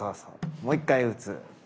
もう１回打つ。